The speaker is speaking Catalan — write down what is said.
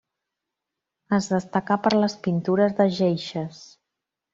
Es destacà per les pintures de geishes.